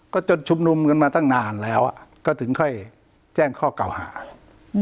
ก็จนชุมนุมกันมาตั้งนานแล้วอ่ะก็ถึงค่อยแจ้งข้อเก่าหาอืม